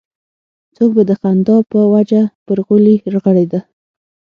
څوک به د خندا په وجه پر غولي رغړېده.